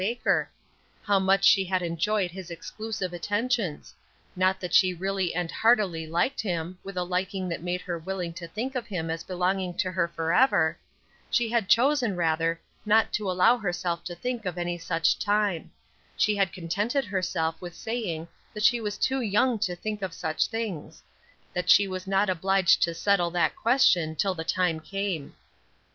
Baker; how much she had enjoyed his exclusive attentions; not that she really and heartily liked him, with a liking that made her willing to think of him as belonging to her forever; she had chosen, rather, not to allow herself to think of any such time; she had contented herself with saying that she was too young to think of such things; that she was not obliged to settle that question till the time came.